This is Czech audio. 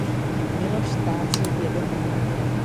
Miloš ztrácí vědomí.